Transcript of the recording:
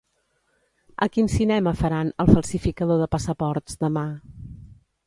A quin cinema faran "El falsificador de passaports" demà?